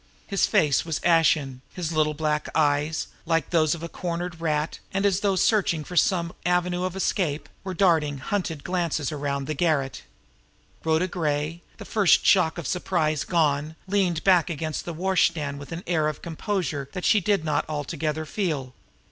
His face was ashen; his little black eyes, like those of a cornered rat, and as though searching for some avenue of escape, were darting hunted glances all around the garret. Rhoda Gray, the first shock of surprise gone, leaned back against the washstand with an air of composure that she did not altogether feel.